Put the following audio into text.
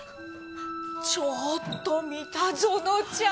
ちょっと三田園ちゃん！